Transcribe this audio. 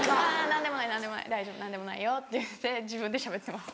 「何でもない何でもない大丈夫何でもないよ」って言って自分でしゃべってます。